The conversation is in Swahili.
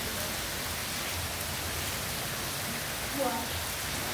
Msemaji wa Shujaa Kanali Mak Hazukay aliliambia shirika la habari kuwa